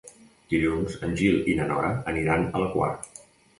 Dilluns en Gil i na Nora aniran a la Quar.